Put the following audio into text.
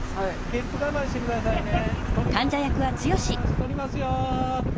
ゲップ我慢してくださいね。